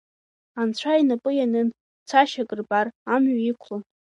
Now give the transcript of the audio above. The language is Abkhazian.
Анцәа инапы ианын, цашьак рбар, амҩа иқәлон.